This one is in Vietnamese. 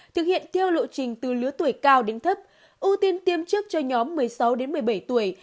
thực hiện theo lộ trình từ lứa tuổi cao đến thấp ưu tiên tiêm trước cho nhóm một mươi sáu đến một mươi bảy tuổi